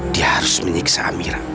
dia harus menyiksa amira